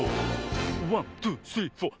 ワントゥースリーフォー。